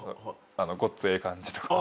『ごっつええ感じ』とかも。